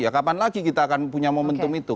ya kapan lagi kita akan punya momentum itu